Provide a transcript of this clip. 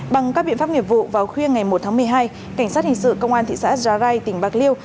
bằng các biện pháp nghiệp vụ vào khuya ngày một tháng một mươi hai cảnh sát hình sự công an thị xã giá rai tỉnh bạc liêu